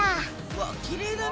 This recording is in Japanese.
わっきれいだね！